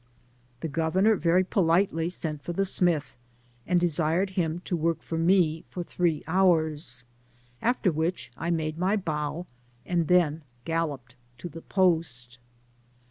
The govetnor very politely sent for the smithy and desired him to Ivork for me for three hours ; aft^ which I made my bow, and then gaUoped to the post.